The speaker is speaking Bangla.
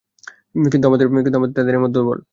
কিন্তু তাদের এ মত দুর্বল।